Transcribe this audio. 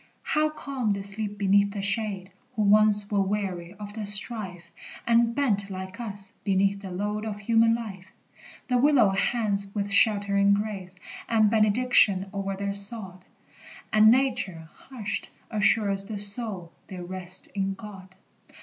How calm they sleep beneath the shade Who once were weary of the strife, And bent, like us, beneath the load Of human life! The willow hangs with sheltering grace And benediction o'er their sod, And Nature, hushed, assures the soul They rest in God.